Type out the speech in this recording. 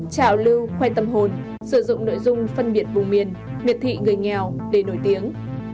trào lưu khoe tâm hồn sử dụng nội dung phân biệt vùng miền miệt thị người nghèo để nổi tiếng